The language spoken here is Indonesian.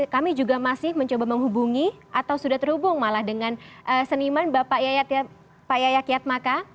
kami juga masih mencoba menghubungi atau sudah terhubung malah dengan seniman bapak yayak yatmaka